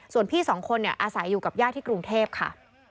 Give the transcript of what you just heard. ส่วนพี่สองคนอาศัยอยู่กับญาติที่กรุงเทพค่ะ